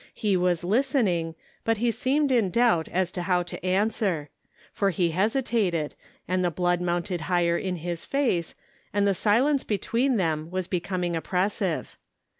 He was listening, but he seemed in doubt as to how to answer; for he hesitated, and the blood mounted higher in his face, and the silence between them was becoming op pressive.